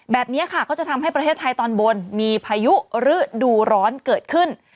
แบบนี้ค่ะก็จะทำให้ประเทศไทยตอนบนมีพายุฤดูร้อนเกิดขึ้น